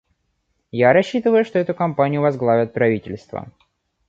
Я рассчитываю, что эту кампанию возглавят правительства.